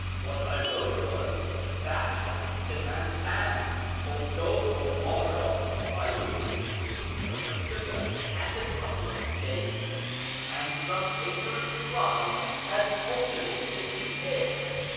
What I wrote was, ' hakhsham si man kand li, du kJmrmd rd '(' I would give three stone of sugar and a couple of dates '), and some ignorant scribe has altered it into this